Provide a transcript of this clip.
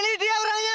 nah ini dia orangnya